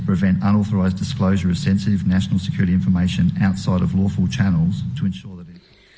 mereka ada untuk memastikan penyelamat keamanan nasional yang sensitif di luar channel channel yang berpengaruh